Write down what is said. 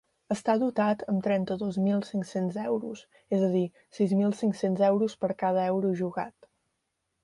Està dotat amb trenta-dos mil cinc-cents euros, és a dir, sis mil cinc-cents euros per cada euro jugat.